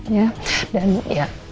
ya dan ya